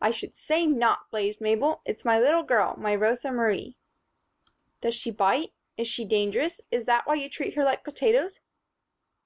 "I should say not!" blazed Mabel. "It's my little girl my Rosa Marie." "Does she bite? Is she dangerous? Is that why you treat her like potatoes?"